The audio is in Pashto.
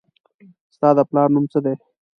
ستا د پلار نوم څه دي